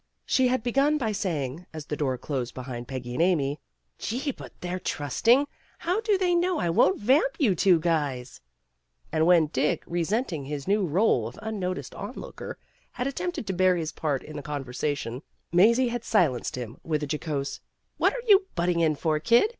She had begun by saying, as the door closed behind Peggy and Amy, "Gee, but they're trusting! How do they know that I won't vamp you two guys!" And when Dick, re THE CURE 225 seating his new role of unnoticed on looker, had attempted to bear his part in the conversation, Mazie had silenced him with a jocose, "What are you butting in for, kid?